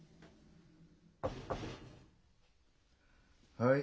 はい。